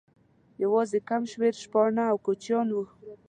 یوازې کم شمېر شپانه او کوچیان وو.